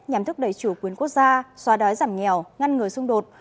nhằm thúc đẩy chủ quyền quốc gia xóa đói giảm nghèo ngăn ngừa xung đột